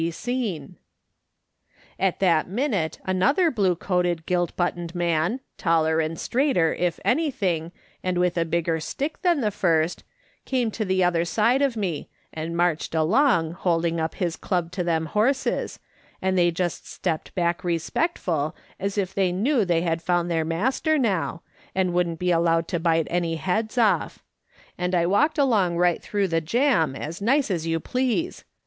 "A UNTIE AL WA YS SEES THINGSP 1 89 " At that minute another blue coated, silt buttoned man, taller and straighter if anything, and with a bigger stick than the first, came to the other side of me, and marched along holding up his club to them horses, and they just stepped back respectful, as if they knew they had found their master now, and wouldn't be allowed to bite any heads off; and I walked along right through the jam as nice as you please.